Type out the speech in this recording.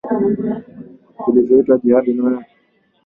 vilivyoitwa jihadi vilileta mateso mengi kwa Wakristo katika nchi